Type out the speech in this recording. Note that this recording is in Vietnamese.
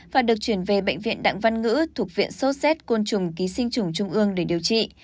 và được chuyển về bệnh viện đặng văn ngữ thuộc viện sốt xét côn trùng ký sinh trùng trung ương để điều trị